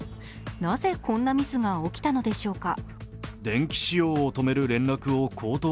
なぜこんなミスが起きたのでしょうか。